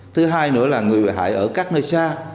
thứ hai nữa là người bị hại ở các nơi xa